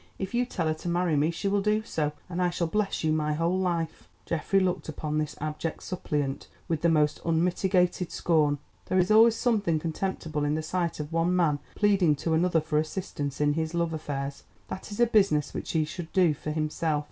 If you tell her to marry me she will do so, and I shall bless you my whole life." Geoffrey looked upon this abject suppliant with the most unmitigated scorn. There is always something contemptible in the sight of one man pleading to another for assistance in his love affairs—that is a business which he should do for himself.